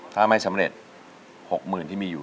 ถ้าไม่สำเร็จ๖๐๐๐ที่มีอยู่